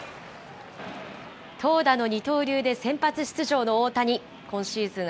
投打の二刀流で先発出場の大谷、今シーズン